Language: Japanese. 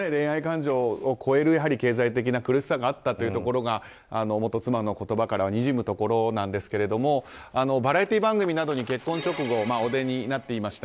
恋愛感情を超えるやはり経済的な苦しさがあったというのが元妻の言葉からにじむところなんですがバラエティー番組などに結婚直後、お出になっていました。